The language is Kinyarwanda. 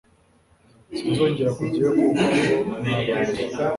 Sinzongera kujyayo kuko ngo nabarozi.